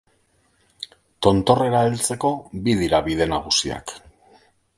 Tontorrera heltzeko bi dira bide nagusiak.